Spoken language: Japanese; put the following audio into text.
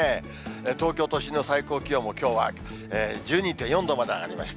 東京都心の最高気温も、きょうは１２．４度まで上がりました。